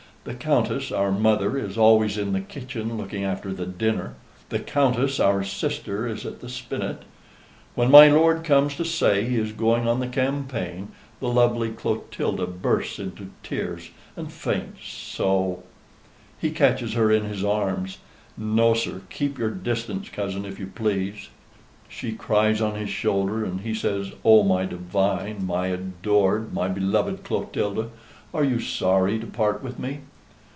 The Countess, our mother, is always in the kitchen looking after the dinner. The Countess, our sister, is at the spinet. When my lord comes to say he is going on the campaign, the lovely Clotilda bursts into tears, and faints so; he catches her in his arms no, sir, keep your distance, cousin, if you please she cries on his shoulder, and he says, 'Oh, my divine, my adored, my beloved Clotilda, are you sorry to part with me?'